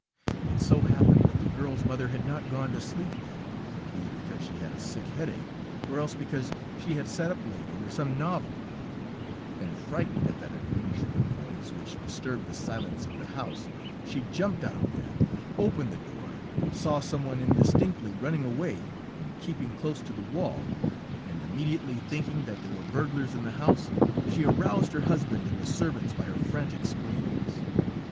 It so happened that the girl's mother had not gone to sleep yet, either because she had a sick headache, or else because she had sat up late over some novel, and frightened at that unusual noise which disturbed the silence of the house, she jumped out of bed, opened the door, saw some one, indistinctly, running away and keeping close to the wall, and, immediately thinking that there were burglars in the house, she aroused her husband and the servants by her frantic screams.